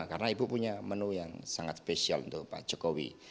karena ibu punya menu yang sangat spesial untuk pak jokowi